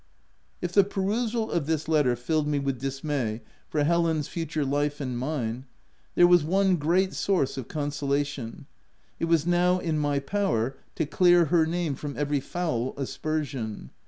If the perusal of this letter filled me with dismay for Helen's future life and mine, there was one great source of consolation : it was now in my power to clear her name from every foul aspersion.